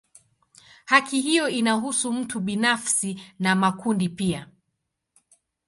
Haki hiyo inahusu mtu binafsi na makundi pia.